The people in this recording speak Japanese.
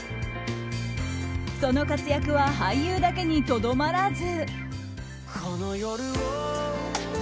その活躍は俳優だけにとどまらず。